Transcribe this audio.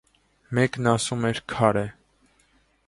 Մեկն ասում էր՝ քար է: